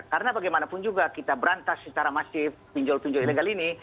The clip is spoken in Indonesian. karena bagaimanapun juga kita berantas secara masif pinjol pinjol ilegal ini